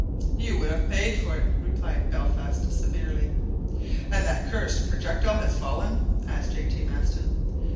"You would have paid for it," replied Belfast severely. "And that cursed projectile has fallen?" asked J. T. Maston.